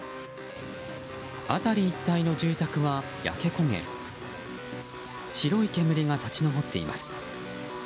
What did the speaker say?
辺り一体の住宅は焼け焦げ白い煙が立ち上っています。